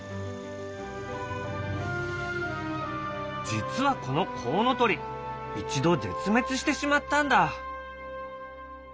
実はこのコウノトリ一度絶滅してしまったんだ。